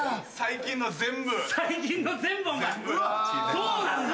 そうなんだよ。